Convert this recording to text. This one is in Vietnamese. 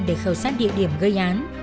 để khẩu sát địa điểm gây án